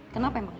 kenapa emang ren